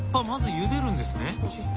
まずゆでるんですね。